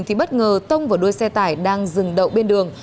thì bất ngờ tông vào đuôi xe tải đang dừng đậu bên đường